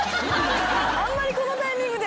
あんまりこのタイミングで。